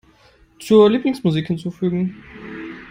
Zur Lieblingsmusik hinzufügen.